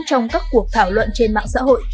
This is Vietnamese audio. trong các cuộc thảo luận trên mạng xã hội